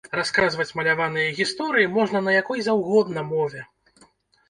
Расказваць маляваныя гісторыі можна на якой заўгодна мове.